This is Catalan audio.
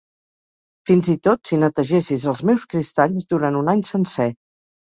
Fins i tot si netegessis els meus cristalls durant un any sencer...